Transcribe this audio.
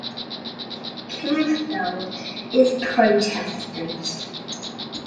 Campbell is Protestant.